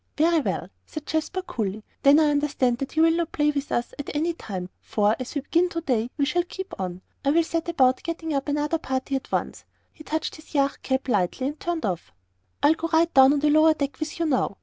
"Very well," said Jasper, coolly, "then I understand that you will not play with us at any time, for, as we begin to day, we shall keep on. I will set about getting up another party at once." He touched his yacht cap lightly, and turned off. "I'll go right down on the lower deck with you now."